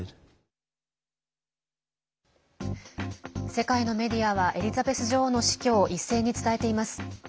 世界のメディアはエリザベス女王の死去を一斉に伝えています。